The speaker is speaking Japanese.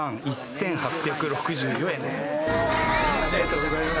ありがとうございます。